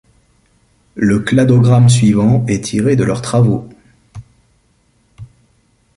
Le cladogramme suivant est tiré de leurs travaux.